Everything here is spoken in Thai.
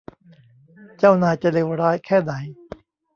เจ้านายจะเลวร้ายแค่ไหน ?